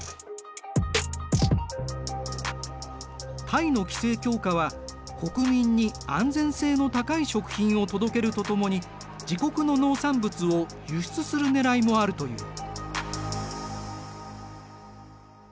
タイの規制強化は国民に安全性の高い食品を届けるとともに自国の農産物を輸出するねらいもあるという。